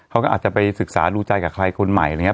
เขาก็อาจจะไปศึกษาดูใจกับใครคนใหม่